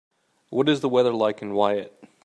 What is the weather like in Wyatte